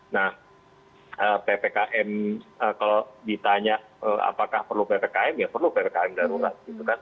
nah ppkm kalau ditanya apakah perlu ppkm ya perlu ppkm darurat gitu kan